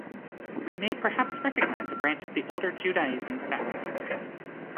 We may perhaps recognize a branch of the older Judaizing sects.